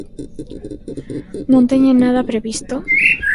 Non teñen nada previsto.